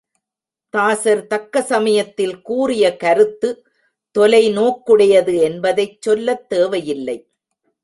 தாசர் தக்க சமயத்தில் கூறிய கருத்து தொலை நோக்குடையது என்பதைச் சொல்லத் தேவையில்லை.